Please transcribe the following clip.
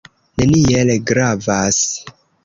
Neniel gravas.